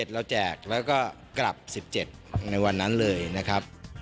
เราแจกแล้วก็กลับ๑๗ในวันนั้นเลยนะครับ